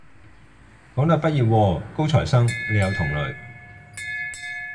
港大畢業喎，高材生，你有同類